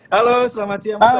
halo selamat siang mas